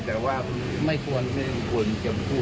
แต่ว่าไม่ควรจะพูดเรื่องของสัตว์เรื่องอะไร